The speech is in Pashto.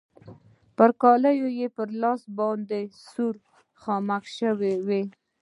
پر کالو يې په لاس باندې سور خامک شوی و.